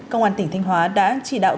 công an tỉnh thanh hóa đã chỉ đạo